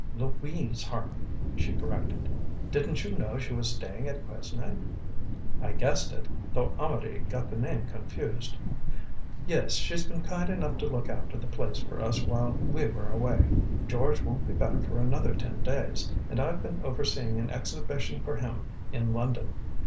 "Louise Harman," she corrected. "Didn't you know she was staying at Quesnay?" "I guessed it, though Amedee got the name confused." "Yes, she's been kind enough to look after the place for us while we were away. George won't be back for another ten days, and I've been overseeing an exhibition for him in London.